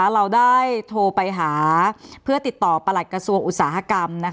เราได้โทรไปหาเพื่อติดต่อประหลัดกระทรวงอุตสาหกรรม